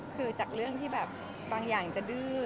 คือจากเรื่องที่แบบบางอย่างจะดื้อ